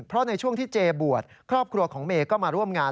เพราะในช่วงที่เจบวชครอบครัวของเมย์ก็มาร่วมงาน